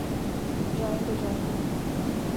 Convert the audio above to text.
جائیں تو جائیں کہاں؟